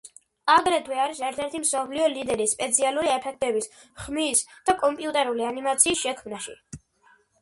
აგრეთვე არის ერთ-ერთი მსოფლიო ლიდერი სპეციალური ეფექტების, ხმის და კომპიუტერული ანიმაციის შექმნაში.